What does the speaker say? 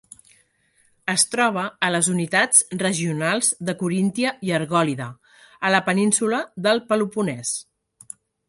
Es troba a les unitats regionals de Coríntia i Argòlida, a la península del Peloponès.